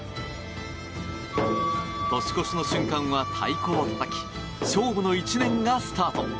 年越しの瞬間は太鼓をたたき勝負の１年がスタート。